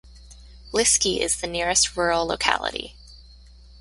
Liski is the nearest rural locality.